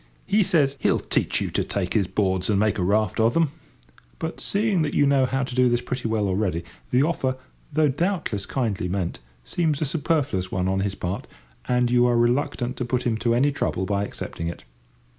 He says he'll teach you to take his boards and make a raft of them; but, seeing that you know how to do this pretty well already, the offer, though doubtless kindly meant, seems a superfluous one on his part, and you are reluctant to put him to any trouble by accepting it.